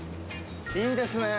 いいですねえ。